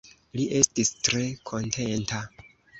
Li estis tre kontenta.